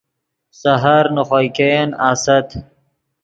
سحر نے خوئے ګئین آست